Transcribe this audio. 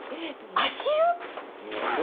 足湯⁉何だ？